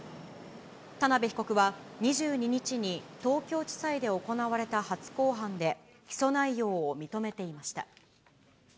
田辺被告は、２２日に東京地裁で行われた初公判で、起訴内容を認めていました。